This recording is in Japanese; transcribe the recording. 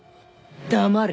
黙れ。